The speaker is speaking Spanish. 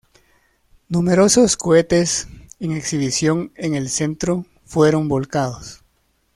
Numerosos cohetes en exhibición en el centro fueron volcados.